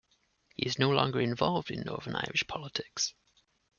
He is no longer involved in Northern Irish politics.